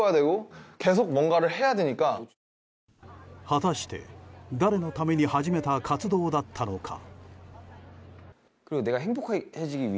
果たして、誰のために始めた活動だったのか。